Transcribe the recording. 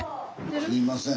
すいません。